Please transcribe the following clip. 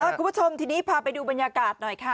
คุณผู้ชมทีนี้พาไปดูบรรยากาศหน่อยค่ะ